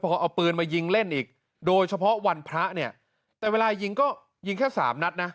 พอเอาปืนมายิงเล่นอีกโดยเฉพาะวันพระเนี่ยแต่เวลายิงก็ยิงแค่สามนัดนะ